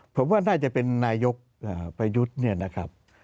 ผมว่าน่าจะเป็นนายกประยุทธ์เนี่ยนะครับ